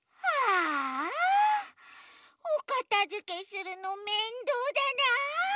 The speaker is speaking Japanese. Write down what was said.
あおかたづけするのめんどうだな。